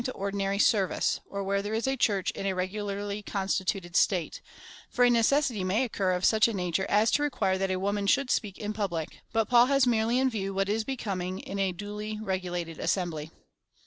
to ordinary service, or where there is a Church in a regularly constituted state ; for a necessity may occur of such a na ture as to require that a woman should speak in public ; but Paul has merely in view what is becoming in a duly regu lated assembly.